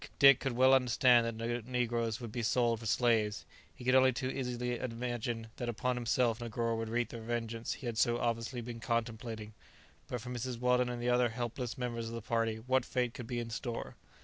Dick could well understand that the negroes would be sold for slaves; he could only too easily imagine that upon himself Negoro would wreak the vengeance he had so obviously been contemplating; but for Mrs. Weldon and the other helpless members of the party what fate could be in store?